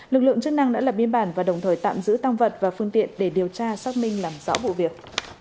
lực lượng chức năng đã lập biên bản và đồng thời tạm giữ tăng vật và phương tiện để điều tra xác minh làm rõ vụ việc